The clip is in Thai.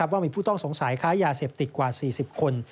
ว่ามีผู้ต้องสงสัยค้ายาเสพติดกว่า๔๐คน